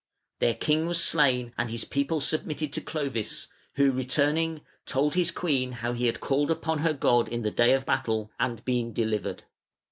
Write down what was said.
Their king was slain, and his people submitted to Clovis, who, returning, told his queen how he had called upon her God in the day of battle and been delivered.